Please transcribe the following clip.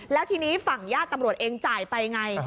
แล้วทีนี้ฝั่งญาติตำรวจเองจ่ายไปไง